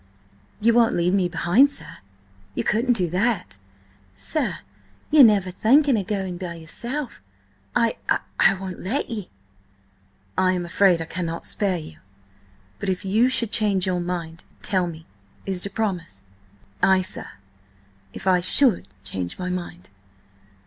"Ye won't leave me behind, sir? Ye couldn't do that! Sir–ye're never thinking of going by yourself? I–I–I won't let ye!" "I am afraid I cannot spare you. But if you should change your mind, tell me. Is it a promise?" "Ay, sir. If I should change my mind."